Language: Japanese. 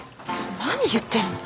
何言ってるの。